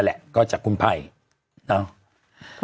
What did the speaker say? นั่นแหละก็จากคุณภัยนะครับ